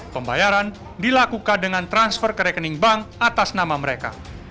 pembayaran dilakukan dengan transfer ke rekening bank atas nama mereka